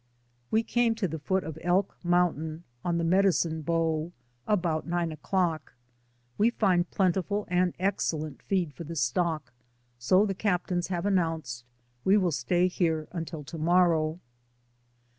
We came to the foot of Elk Mountain, on the Medicine Bow, about nine o'clock. We find plentiful and excellent feed for the stock, so the captains have announced, ''We will stay here until to morrow."